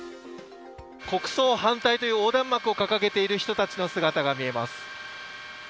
国葬反対という横断幕を掲げている人たちの姿が見えます。